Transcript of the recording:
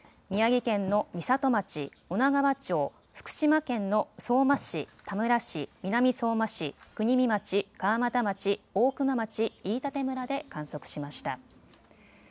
宮城県の美里町、女川町福島県の相馬市、田村市、南相馬市、国見町、川俣町、大熊町、飯舘村で観測しました。